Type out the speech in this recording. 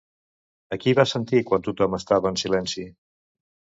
A qui va sentir quan tothom estava en silenci?